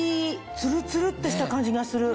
ツルツルってした感じがする。